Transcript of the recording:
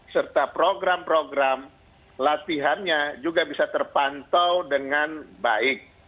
serta program program latihannya juga bisa terpantau dengan baik